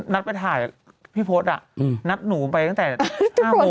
นัดไปถ่ายพี่พศนัดหนูไปตั้งแต่๕โมง